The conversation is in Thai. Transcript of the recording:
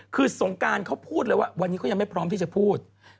คือสงการเขาพูดเลยว่าวันนี้เขายังไม่พร้อมที่จะพูด